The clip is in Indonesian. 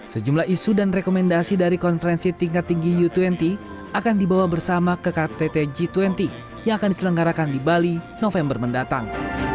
sejumlah isu dan rekomendasi dari konferensi tingkat tinggi u dua puluh akan dibawa bersama ke ktt g dua puluh yang akan diselenggarakan di bali november mendatang